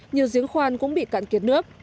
nhiều giếng khoan cũng bị cạn kiệt nước